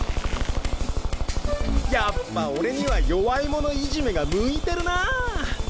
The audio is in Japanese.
やっぱ俺には弱い者いじめが向いてるなぁ。